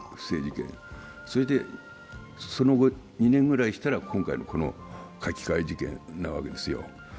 それでその後、２年ぐらいしたら今回のこの書き換え事件なわけですよ。